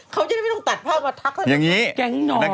เค้าจะไม่ต้องตัดภาพกว่าทัก